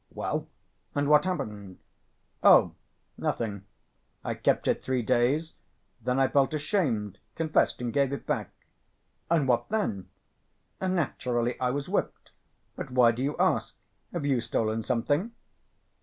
"Well, and what happened?" "Oh, nothing. I kept it three days, then I felt ashamed, confessed, and gave it back." "And what then?" "Naturally I was whipped. But why do you ask? Have you stolen something?"